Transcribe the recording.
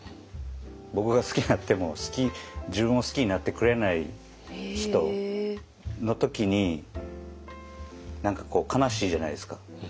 僕が好きになっても自分を好きになってくれない人の時に何かこう悲しいじゃないですか。